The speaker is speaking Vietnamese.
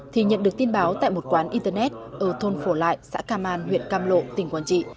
thì nhận được tin báo tại một quán internet ở thôn phổ lại xã cam an huyện cam lộ tỉnh quảng trị